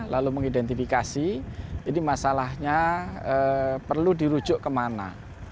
lalu mengidentifikasi ini masalahnya perlu dirujuk kemana